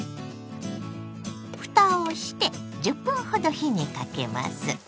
ふたをして１０分ほど火にかけます。